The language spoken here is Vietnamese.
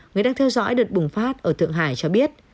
người đang theo dõi đợt bùng phát ở thượng hải cho biết